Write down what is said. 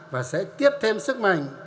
và sẽ tiếp thêm sức mạnh